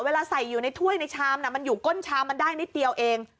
เวลาใส่อยู่ในถ้วยในชามมันอยู่ก้นชามมันได้นิดเดียวเอง